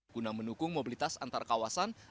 guna menukung mobilitas antarkawasan